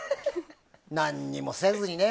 何にもせずにね。